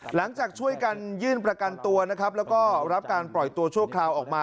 หลังจากช่วยกันยื่นประกันตัวนะครับแล้วก็รับการปล่อยตัวชั่วคราวออกมา